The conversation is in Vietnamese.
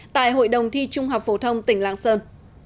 tại hội đồng thi trung học phổ thông tỉnh lạng sơn